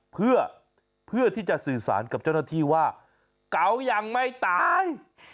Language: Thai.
เพื่อที่จะสื่อสารกับเจ้าหน้าที่ว่าเก๋ายังไม่ตาย